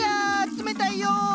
冷たいよ！